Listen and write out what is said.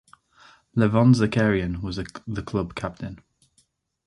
Lavon Zakarian was the team captain.